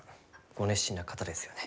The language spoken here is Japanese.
ご熱心な方ですよね。